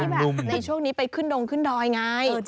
ใครที่ใบ้ช่วงนี้ไปขึ้นดงขึ้นดอยไง